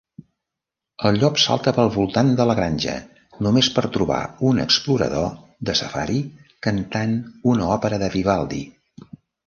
El llop salta pel voltant de la granja només per trobar un explorador de safari cantant una òpera de Vivaldi.